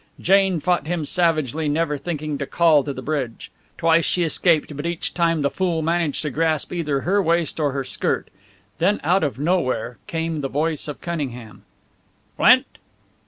Jane fought him savagely, never thinking to call to the bridge. Twice she escaped, but each time the fool managed to grasp either her waist or her skirt. Then out of nowhere came the voice of Cunningham: "Flint!"